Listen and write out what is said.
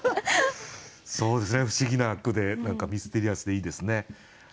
そうですね不思議な句で何かミステリアスでいいですね。